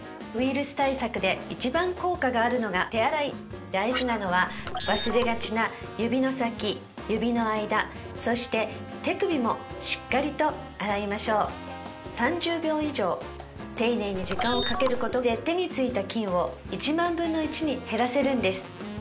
ウイルス対策で一番効果があるのが手洗い大事なのは忘れがちな指の先指の間そして手首もしっかりと洗いましょう３０秒以上丁寧に時間をかけることで手についた菌を１万分の１に減らせるんです